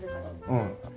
うん。